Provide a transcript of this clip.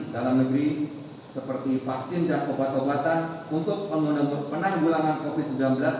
dalam negeri seperti vaksin dan obat obatan untuk membentuk penanggulangan covid sembilan belas